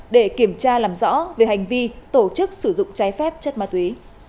để kiểm tra làm rõ về hành vi tổ chức sử dụng trái phép chất ma túy